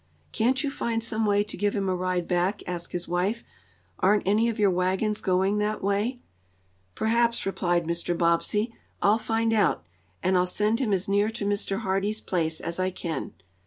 "Can't you find some way to give him a ride back?" asked his wife. "Aren't any of your wagons going that way?" "Perhaps," replied Mr. Bobbsey. "I'll find out, and I'll send him as near to Mr. Hardee's place as I can."